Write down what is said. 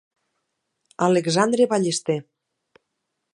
Alexandre Ballester.